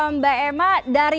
mbak emma dari australia